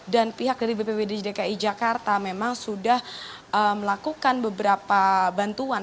dan pihak dari bpwd dki jakarta memang sudah melakukan beberapa bantuan